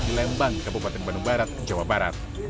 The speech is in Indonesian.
di lembang kabupaten bandung barat jawa barat